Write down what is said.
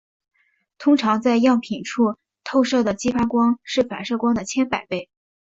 通常在样品处透射的激发光是反射光的千百倍。